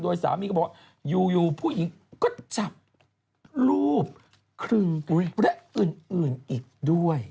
สามีก็บอกอยู่ผู้หญิงก็จับรูปครึงและอื่นอีกด้วย